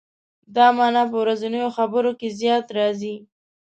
دا معنا په ورځنیو خبرو کې زیات راځي.